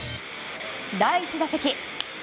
第１打席。